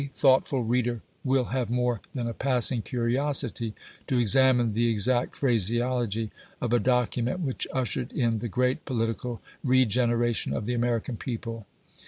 thoughtful reader will have more thau a passing curiosity to examine the exact phraseology of a document which ushered in the great political re generation of the American people.